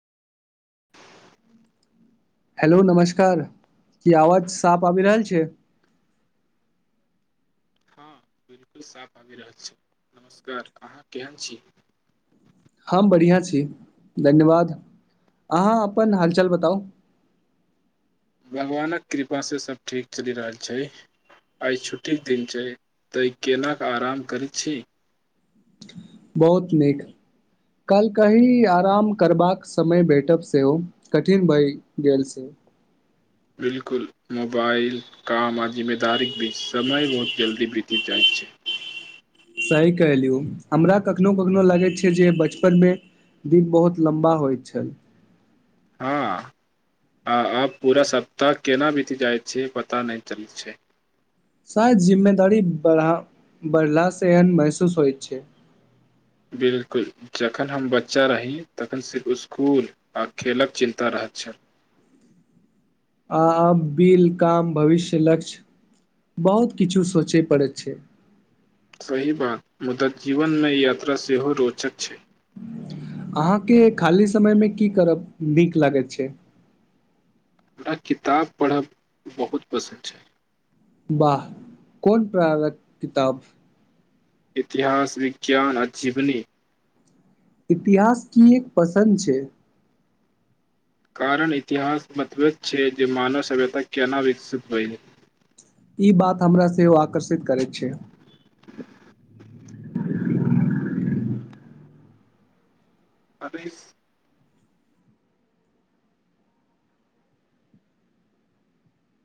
हलो नमस्कार की आवाज साफ आबि रहल छै हँ बिलकुल साफ आबि रहल छै नमस्कार अहाँ केहन छी हम बढ़िआँ छी धन्यवाद अहाँ अपन हालचाल बताउ भगवानक कृपास से सभ ठीक चलि रहल छै आइ छुट्टीके दिन छय तऽ केल आराम करैत छी बहुत नीक कल कही आराम करबाक समय भेटब सेहो कठिन भए गेल सेहो बिलकुल मोबाइल काम आ जिम्मेदारी बीच समय बहुत जल्दी बीत जाइत छै सही कहलियू हमरा कखनो कखनो लागैत छै जे बचपन मे दिन बहुत लम्बा होइत छल हँ आ आब पूरा सप्ताह केना बीति जाइ छै पता नहि चलै छै शायद जिम्मेदारी बढा बढ़लासँ एहन महसूस होइत छै बिल्कुल जखन हम बच्चा रही तखन सिर्फ स्कूल आ खेलक चिन्ता रहैत छल आ आब बिल काम भविष्य लक्ष्य बहुत किछु सोचय पड़ैत छै सही बात मुदा जीवन मे यात्रा सेहो रोचक छै अहाँके खाली समयमे की करब नीक लागैत छै हमरा किताब पढ़ब बहुत पसन्द छै वाह कोन प्रारक किताब इतिहास विज्ञान आ जीवनी इतिहास किएक पसन्द छै कारण इतिहास मतबद छै जे मानव सभ्यता केना विकसित होइ ई बात हमरा सेहो आकर्षित करैत छै [inaudible]